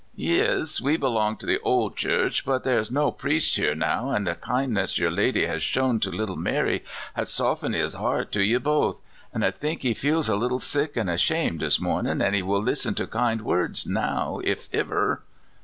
"" Yis; we belong to the old Church, but there is no priest here now, an' the kindness yer lady has shown to little Mary has softened his heart to ye both. An' I think he feels a little sick and ashamed this mornin', an' he will listen to kind words now if iver."